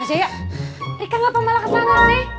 ajaya rika ngapa malah kesana sih